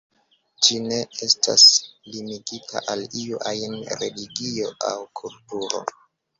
Ĝi ne estas limigita al iu ajn religio aŭ kulturo.